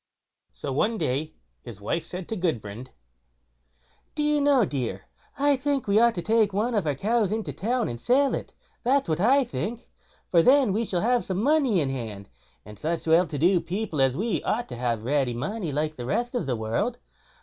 So one day his wife said to Gudbrand: "Do you know, dear, I think we ought to take one of our cows into town, and sell it; that's what I think; for then we shall have some money in hand, and such well to do people as we ought to have ready money like the rest of the world.